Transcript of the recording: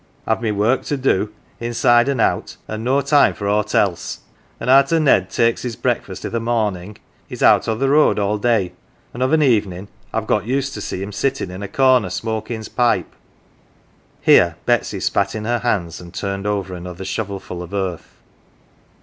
I've my work to do inside an 1 out, an" 1 no time for aught else. An 1 arter Ned takes his breakfast i' th' morning he's out o' th' road all day, an' of an evenin' I've got used to see him sittin' in a corner smokin's pipe." Here Betsy spat in her hands and turned over another shovelful of earth.